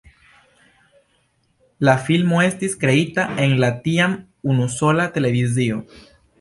La filmo estis kreita en la tiam unusola televizio.